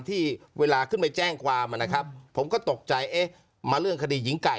ที่เวลาขึ้นไปแจ้งความนะครับผมก็ตกใจเอ๊ะมาเรื่องคดีหญิงไก่